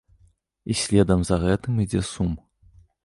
І следам за гэтым ідзе сум.